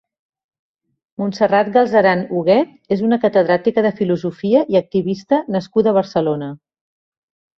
Montserrat Galcerán Huguet és una catedràtica de filosofia i activista nascuda a Barcelona.